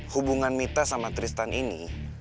hubungan mita sama tristan ini